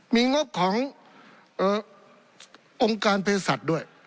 มีงบขององค์การเพศสัตว์ด้วย